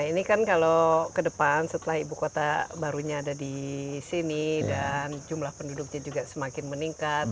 ini kan kalau ke depan setelah ibu kota barunya ada di sini dan jumlah penduduknya juga semakin meningkat